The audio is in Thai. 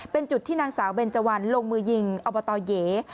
เป็นจุดที่นางสาวเบนเจวันลงมือยิงอบตเย๋